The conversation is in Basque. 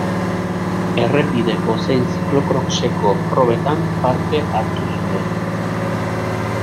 Errepideko zein ziklo-kroseko probetan parte hartu zuen.